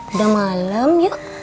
udah malem yuk